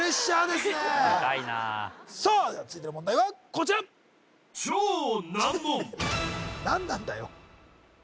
でかいなさあでは続いての問題はこちら何なんだよ